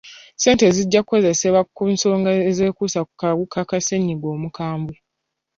Ssente zijja kukozesebwa ku nsonga ezekuusa ku kawuka ka ssenyiga omukambwe.